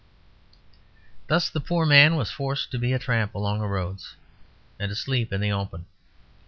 Thus the poor man was forced to be a tramp along the roads and to sleep in the open.